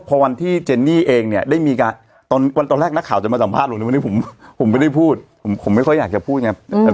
พอวันที่เจนนี่เองเนี่ยได้มีการวันตอนแรกนักข่าวจะมาสัมภาษณ์ผมในวันนี้ผมไม่ได้พูดผมไม่ค่อยอยากจะพูดไง